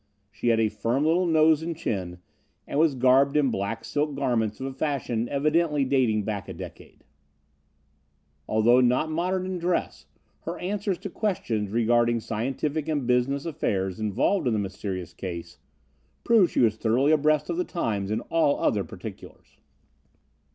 She had a firm little nose and chin, and was garbed in black silk garments of a fashion evidently dating back a decade. Although not modern in dress, her answers to questions regarding scientific and business affairs involved in the mysterious case, proved she was thoroughly abreast of the times in all other particulars.